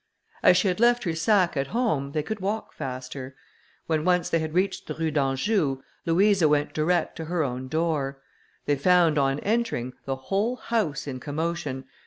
As she had left her sack at home, they could walk faster. When once they had reached the Rue d'Anjou, Louisa went direct to her own door. They found, on entering, the whole house in commotion.